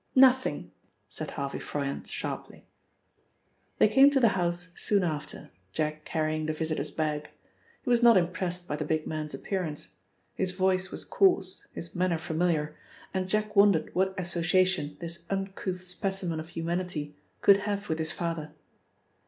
"Nothing," said Harvey Froyant sharply. They came to the house soon after, Jack carrying the visitor's bag. He was not impressed by the big man's appearance. His voice was coarse, his manner familiar, and Jack wondered what association this uncouth specimen of humanity could have with his father.